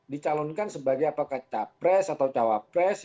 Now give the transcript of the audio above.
dicalonkan sebagai apakah capres atau cawapres